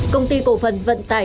công ty cổ phần vận tải